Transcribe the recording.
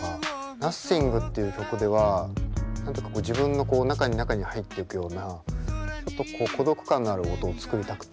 「Ｎｏｔｈｉｎｇ」っていう曲では自分のこう中に中に入っていくようなちょっとこう孤独感のある音を作りたくて。